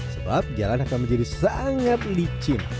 sebab jalan akan menjadi sangat licin